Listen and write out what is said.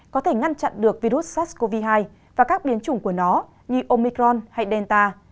có thể ngăn chặn được virus sars cov hai và các biến chủng của nó như omicron hay delta